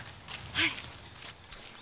はい。